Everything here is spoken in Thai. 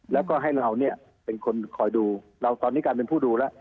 แล้วก็ให้เราเนี่ยเป็นคนคอยดูเราตอนนี้กลายเป็นผู้ดูแล้ว